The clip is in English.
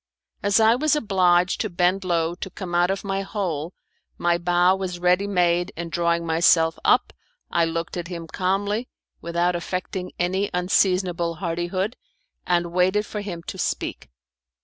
As I was obliged to bend low to come out of my hole, my bow was ready made, and drawing myself up, I looked at him calmly without affecting any unseasonable hardihood, and waited for him to speak.